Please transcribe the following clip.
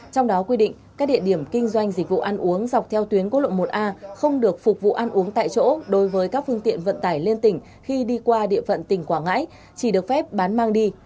trong đó quy định các địa điểm kinh doanh dịch vụ ăn uống dọc theo tuyến quốc lộ một a không được phục vụ ăn uống tại chỗ đối với các phương tiện vận tải liên tỉnh khi đi qua địa phận tỉnh quảng ngãi chỉ được phép bán mang đi